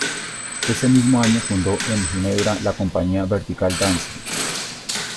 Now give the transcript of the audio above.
Ese mismo año fundó en Ginebra la Compañía Vertical Danse.